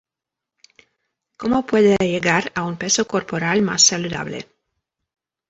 cómo puede llegar a un peso corporal más saludable